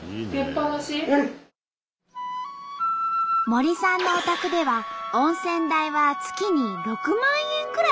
森さんのお宅では温泉代は月に６万円くらいかかるそう。